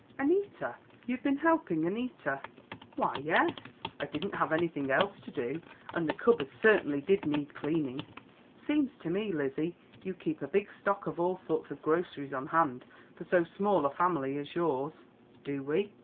Annita? You've been helping Annita?" "Why, yes; I didn't have anything else to do, and the cupboards certainly did need cleaning. Seems to me, Lizzie, you keep a big stock of all sorts of groceries on hand for so small a family as yours." "Do we?"